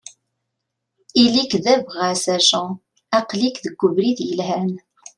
Ili-k d abɣas a Jean, aql-ik deg ubrid yelhan.